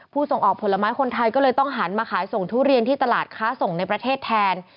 ส่งออกผลไม้คนไทยก็เลยต้องหันมาขายส่งทุเรียนที่ตลาดค้าส่งในประเทศแทน